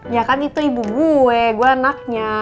ya kan itu ibu gue gue anaknya